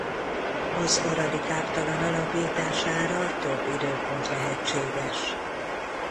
Az aradi káptalan alapítására több időpont lehetséges.